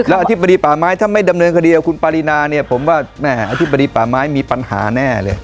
แล้วอธิบดีป่าไม้ถ้าไม่ดำเนินคดีกับคุณปารีนาเนี่ยผมว่าแม่อธิบดีป่าไม้มีปัญหาแน่เลย